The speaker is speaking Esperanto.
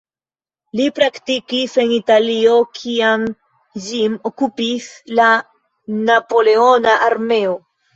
Li praktikis en Italio, kiam ĝin okupis la napoleona armeo.